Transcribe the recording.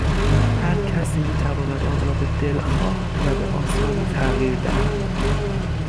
هر کسی میتواند آن را به دلخواه و به آسانی تغییر دهد